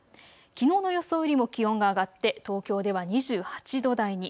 きのうの予想よりも気温が上がって東京では２８度台に。